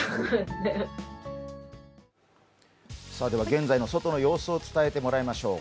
現在の外の様子を伝えてもらいましょう。